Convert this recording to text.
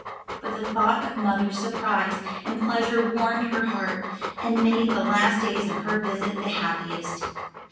But the thought of mother's surprise and pleasure warmed her heart, and made the last days of her visit the happiest.